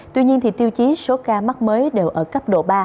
tuy nhiên tiêu chí số ca mắc mới đều ở cấp độ ba